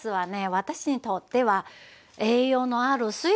私にとっては栄養のある水分なんですよ。